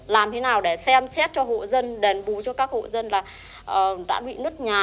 làm thế nào để xem xét cho hộ dân đền bù cho các hộ dân là đã bị nứt nhà